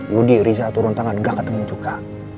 yudi riza turun tangan gak ketemu cuka